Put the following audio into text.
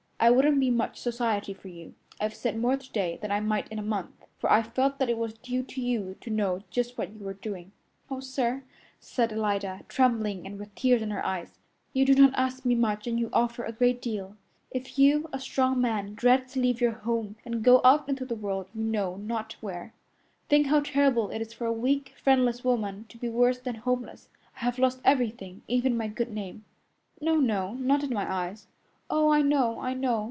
I wouldn't be much society for you. I've said more today than I might in a month, for I felt that it was due to you to know just what you were doing." "Oh, sir," said Alida, trembling, and with tears in her eyes, "you do not ask much and you offer a great deal. If you, a strong man, dread to leave your home and go out into the world you know not where, think how terrible it is for a weak, friendless woman to be worse than homeless. I have lost everything, even my good name." "No, no! Not in my eyes." "Oh, I know, I know!"